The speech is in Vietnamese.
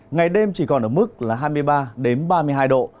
ngày đêm chỉ còn ở mức là hai mươi ba ba mươi hai độ